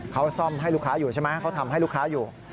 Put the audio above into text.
เขาซ่อมให้ลูกค้าอยู่ใช่ไหมเขาทำให้ลูกค้าอยู่